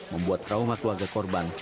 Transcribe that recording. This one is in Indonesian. membuat trauma keluarga korban